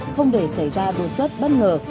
không để xảy ra đột xuất bất ngờ